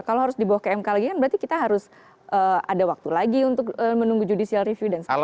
kalau harus dibawa ke mk lagi kan berarti kita harus ada waktu lagi untuk menunggu judicial review dan sebagainya